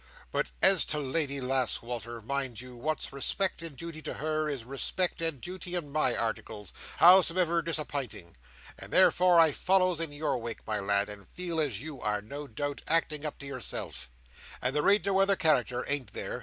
But as to Lady lass, Wal"r, mind you, wot's respect and duty to her, is respect and duty in my articles, howsumever disapinting; and therefore I follows in your wake, my lad, and feel as you are, no doubt, acting up to yourself. And there ain't no other character, ain't there?"